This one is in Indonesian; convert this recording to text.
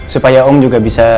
supaya om juga bisa ikut hadir